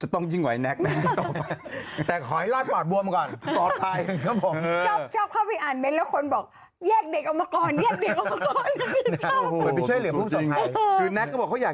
ต้องร้องเธอรักรักฉันรึยัง